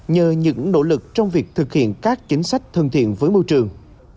nhờ những nỗ lực trong việc thực hiện các chính sách thân thiện với môi trường